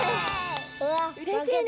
うれしいね！